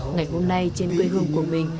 ngày hôm nay trên quê hương của mình